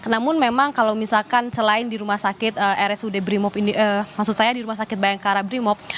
namun memang kalau misalkan selain di rumah sakit rsud maksud saya di rumah sakit bayangkara brimob